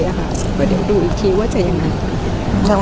ภาษาสนิทยาลัยสุดท้าย